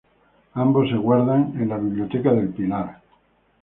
Ambos se guardan en la biblioteca de El Pilar.